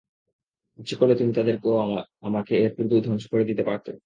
ইচ্ছে করলে তুমি তাদেরকে ও আমাকে এর পূর্বেই ধ্বংস করে দিতে পারতে।